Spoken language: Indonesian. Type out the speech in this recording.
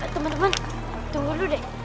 temen temen tunggu dulu deh